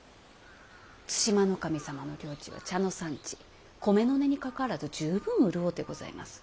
対馬守様の領地は茶の産地米の値にかかわらず十分潤うてございます。